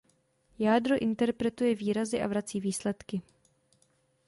Jádro interpretuje výrazy a vrací výsledky.